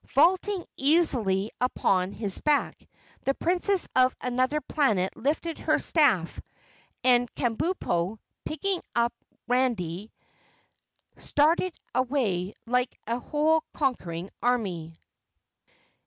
Vaulting easily upon his back, the Princess of Anuther Planet lifted her staff, and Kabumpo, picking up Randy, started away like a whole conquering army.